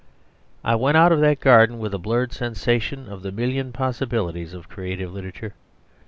I went out of that garden with a blurred sensation of the million possibilities of creative literature.